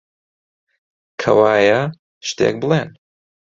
کەوایە، شتێک بڵێن!